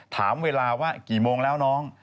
ถามเวลาว่ากี่โมงแล้วน้อง